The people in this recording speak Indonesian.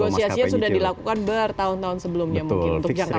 dan negosiasinya sudah dilakukan bertahun tahun sebelumnya mungkin untuk jangka panjang